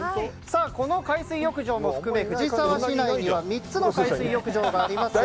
この海水浴も含め藤沢市内には３つの海水浴があります。